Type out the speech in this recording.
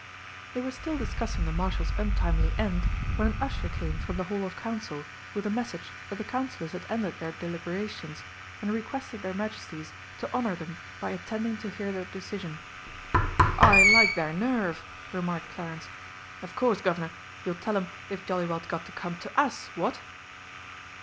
They were still discussing the Marshal's untimely end when an usher came from the Hall of Council with a message that the Councillors had ended their deliberations, and requested their Majesties to honour them by attending to hear their decision. "I like their nerve!" remarked Clarence. "Of course, Guv'nor, you'll tell 'em they've jolly well got to come to us, what?"